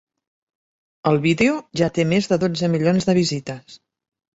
El vídeo ja té més de dotze milions de visites.